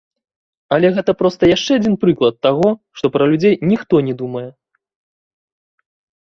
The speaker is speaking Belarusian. Але гэта проста яшчэ адзін прыклад таго, што пра людзей ніхто не думае.